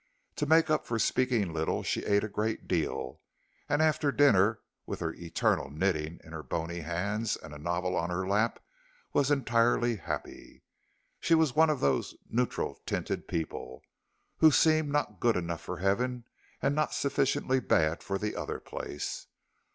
To make up for speaking little, she ate a great deal, and after dinner with her eternal knitting in her bony hands and a novel on her lap, was entirely happy. She was one of those neutral tinted people, who seem not good enough for heaven and not sufficiently bad for the other place.